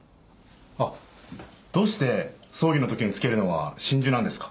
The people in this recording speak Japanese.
あっどうして葬儀のときに着けるのは真珠なんですか？